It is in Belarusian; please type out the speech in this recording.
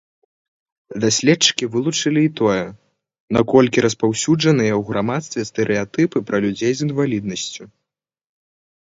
Даследчыкі вывучылі і тое, наколькі распаўсюджаныя ў грамадстве стэрэатыпы пра людзей з інваліднасцю.